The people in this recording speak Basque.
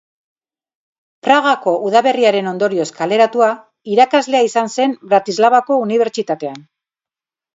Pragako Udaberriaren ondorioz kaleratua, irakaslea izan zen Bratislavako Unibertsitatean.